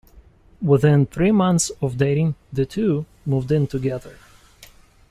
Within three months of dating, the two moved in together.